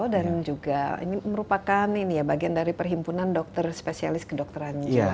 dan juga ini merupakan ini ya bagian dari perhimpunan dokter spesialis kedokteran jiwa